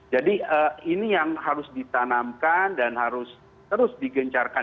jadi ini yang harus ditanamkan dan harus terus digencarkan